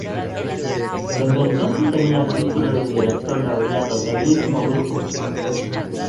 Desde entonces tenía el título de Director Laureado del mismo grupo.